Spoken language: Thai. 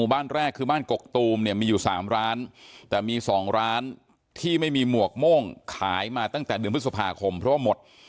บ้านแรกคือบ้านกกตูมเนี่ยมีอยู่๓ร้านแต่มี๒ร้านที่ไม่มีหมวกโม่งขายมาตั้งแต่เดือนพฤษภาคมเพราะว่าหมด